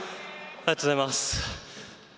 ありがとうございます。